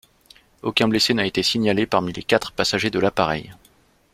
Aucun blessé n'a été signalé parmi les quatre passagers de l'appareil.